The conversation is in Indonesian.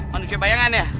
manusia bayangan ya